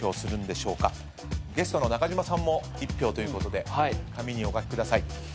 ゲストの中島さんも１票ということで紙にお書きください。